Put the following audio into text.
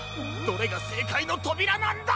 どれがせいかいのとびらなんだ！？